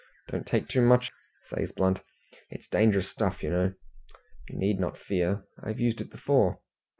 "Don't take too much," says Blunt. "It's dangerous stuff, you know." "You need not fear. I've used it before."